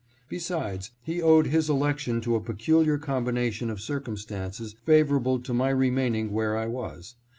Besides, he owed his election to a peculiar combination of cir cumstances favorable to my remaining where I was.